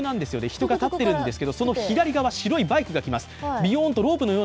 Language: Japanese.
人が立ってるんですけどその左側バイクが来ます。